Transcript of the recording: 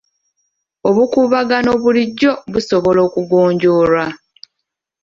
Obukuubagano bulijjo busobola okugonjoolwa.